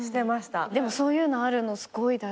でもそういうのあるのすごい大事。